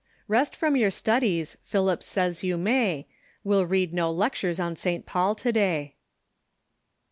"Rest from your studies, Pliilip says you may; We'll read uo lectures on St. Paul to day."